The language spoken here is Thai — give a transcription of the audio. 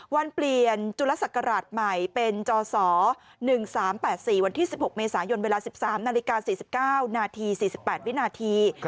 วันเปลี่ยนจุลศักราชใหม่เป็นจศ๑๓๘๔วันที่๑๖เมษายนเวลา๑๓นาฬิกา๔๙นาที๔๘วินาที